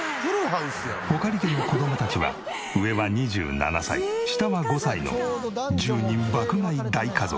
穂苅家の子供たちは上は２７歳下は５歳の１０人爆買い大家族。